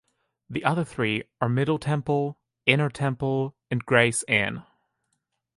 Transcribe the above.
The other three are Middle Temple, Inner Temple and Gray's Inn.